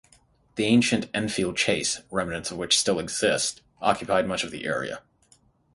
The ancient Enfield Chase, remnants of which still exist, occupied much of the area.